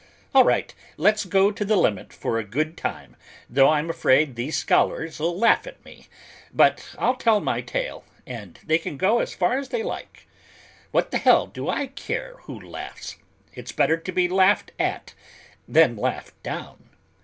"All right, let's go the limit for a good time, though I'm afraid these scholars'll laugh at me, but I'll tell my tale and they can go as far as they like. What t'hell do I care who laughs? It's better to be laughed at than laughed down."